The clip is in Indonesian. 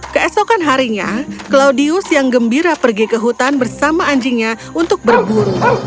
keesokan harinya claudius yang gembira pergi ke hutan bersama anjingnya untuk berburu